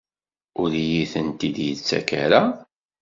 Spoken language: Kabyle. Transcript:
Ur iyi-tent-id-yettak ara?